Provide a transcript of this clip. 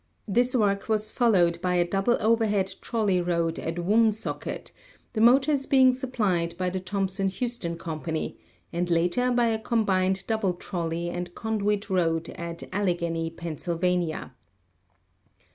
This work was followed by a double over head trolley road at Woonsocket, the motors being sup plied by the Thomson Houston Company, and later by a combined double trolley and conduit road at Allegheny, Pa.